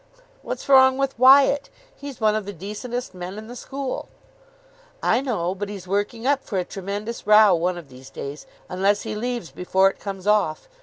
"What's wrong with Wyatt? He's one of the decentest men in the school." "I know. But he's working up for a tremendous row one of these days, unless he leaves before it comes off.